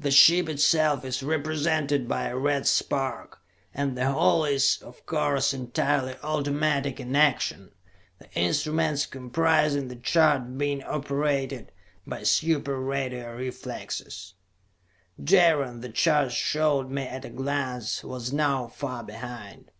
The ship itself is represented by a red spark and the whole is, of course, entirely automatic in action, the instruments comprising the chart being operated by super radio reflexes. Jaron, the charts showed me at a glance, was now far behind.